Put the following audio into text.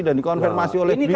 dan dikonfirmasi oleh beliau